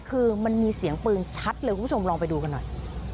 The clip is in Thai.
คือมันมีเสียงปืนชัดเลยคุณผู้ชมลองไปดูกันหน่อย